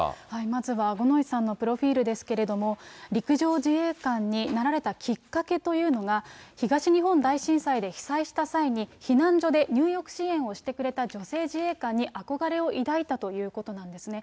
まずは五ノ井さんのプロフィールですけれども、陸上自衛官になられたきっかけというのが、東日本大震災で被災した際に、避難所で入浴支援をしてくれた女性自衛官に憧れを抱いたということなんですね。